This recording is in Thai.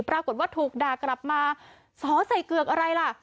ปรากฏว่าถูกด่ากลับมาสอใส่เกือกอะไรล่ะ